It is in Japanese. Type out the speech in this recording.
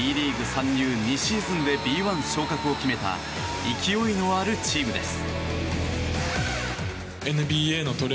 参入２シーズンでＢ１昇格を決めた勢いのあるチームです。